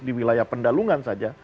di wilayah pendalungan saja